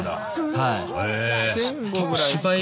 はい！